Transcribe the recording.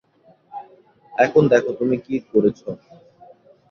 এখন দেখো তুমি কি করেছো।